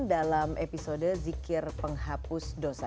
dalam episode zikir penghapus dosa